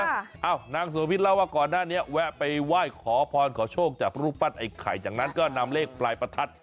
เอ้านางสวิตเล่าว่าก่อนหน้านี้แวะไปไหว้ขอพรขอโชคจากรูปปั้นไอ้ไข่จากนั้นก็นำเลขปลายประทัด